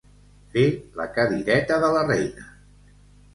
Fer la cadireta de la reina.